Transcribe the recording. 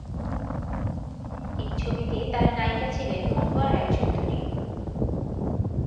এই ছবিতে তার নায়িকা ছিলেন মহুয়া রায় চৌধুরী।